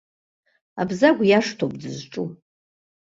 Абзагә иашҭоуп дызҿу.